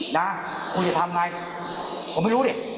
นะคุณจะทำไงผมไม่รู้ดิ